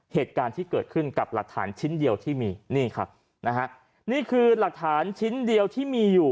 เหตุการณ์ที่เกิดขึ้นกับหลักฐานชิ้นเดียวที่มีนี่ครับนะฮะนี่คือหลักฐานชิ้นเดียวที่มีอยู่